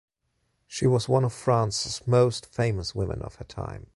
She was one of France's most famous women of her time.